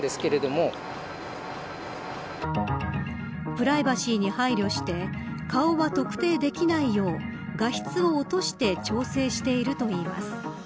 プライバシーに配慮して顔が特定できないよう画質を落として調整しているといいます。